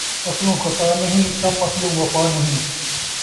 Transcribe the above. اصلوں خطا نہیں، کم اصلوں وفا نہیں